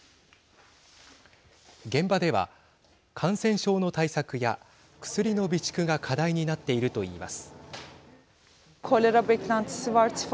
現場では感染症の対策や薬の備蓄が課題になっていると言います。